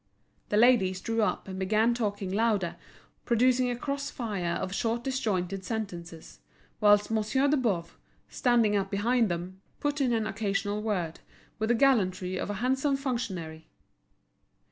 The ladies drew up and began talking louder, all speaking at once, producing a cross fire of short disjointed sentences; whilst Monsieur de Boves, standing up behind them, put in an occasional word with the gallantry of a handsome functionary.